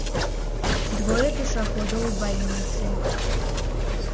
Двое пешаходаў у бальніцы.